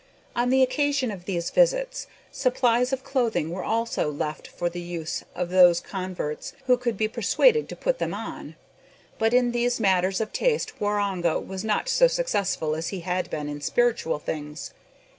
On the occasion of these visits, supplies of clothing were also left for the use of those converts who could be persuaded to put them on. But in these matters of taste Waroonga was not so successful as he had been in spiritual things.